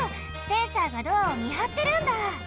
センサーがドアをみはってるんだ！